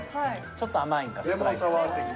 ちょっと甘いんかスプライト。